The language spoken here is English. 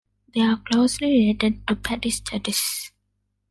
They are closely related to "Pachystachys".